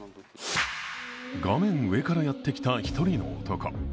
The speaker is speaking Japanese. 画面上からやってきた一人の男。